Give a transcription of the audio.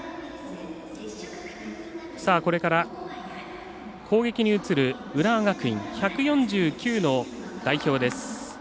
これから、攻撃に移る浦和学院１４９の代表です。